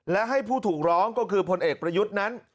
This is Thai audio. และให้ผู้ถูกร้องก็คือพลเอกประยุทธ์นั้น